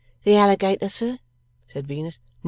'The alligator, sir?' said Venus.